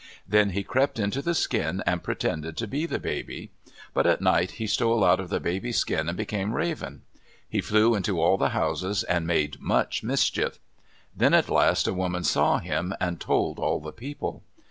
Then he crept into the skin and pretended to be the baby. But at night he stole out of the baby's skin and became Raven. He flew into all the houses and made much mischief. Then at last a woman saw him and told all the people.